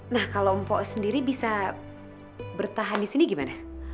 nah kalau mpok sendiri bisa bertahan di sini gimana